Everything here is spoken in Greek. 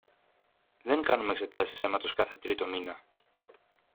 δεν κάνουμε εξετάσεις αίματος κάθε τρίτο μήνα